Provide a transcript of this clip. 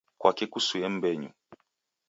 kwaki kusue m'mbenyu ?